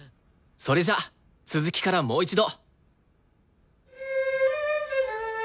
それじゃあ続きからもう一度。